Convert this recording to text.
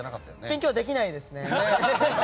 勉強はできないですね。